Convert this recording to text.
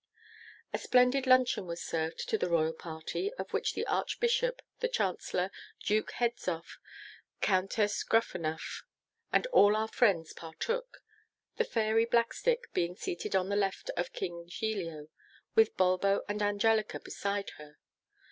A splendid luncheon was served to the Royal party, of which the Archbishop, the Chancellor, Duke Hedzoff, Countess Gruffanuff, and all our friends partook, the Fairy Blackstick being seated on the left of King Giglio, with Bulbo and Angelica beside her.